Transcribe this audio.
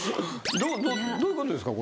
どういうことですか？